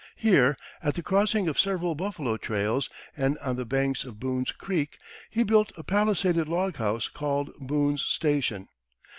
Here, at the crossing of several buffalo trails, and on the banks of Boone's Creek, he built a palisaded log house called Boone's Station.